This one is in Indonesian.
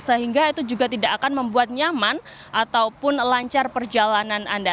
sehingga itu juga tidak akan membuat nyaman ataupun lancar perjalanan anda